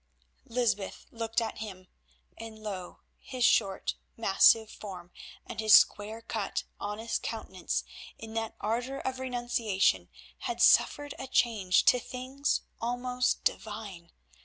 Lysbeth looked at him, and lo! his short, massive form and his square cut, honest countenance in that ardour of renunciation had suffered a change to things almost divine.